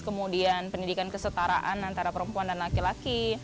kemudian pendidikan kesetaraan antara perempuan dan laki laki